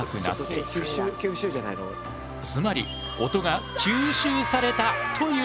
つまり音が吸収されたということ。